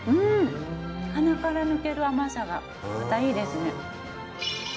鼻から抜ける甘さがまたいいですね。